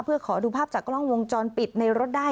เพื่อขอดูภาพจากกล้องวงจรปิดในรถได้